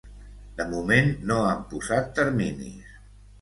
De moment no han posat terminis.